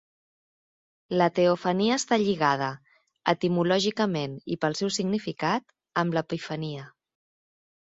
La teofania està lligada, etimològicament i pel seu significat, amb l'epifania.